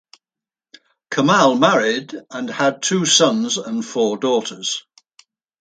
Kamal married and had two sons and four daughters.